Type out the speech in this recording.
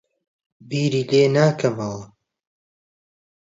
بیری لێ ناکەمەوە.